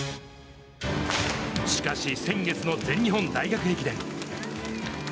しかし先月の全日本大学駅伝。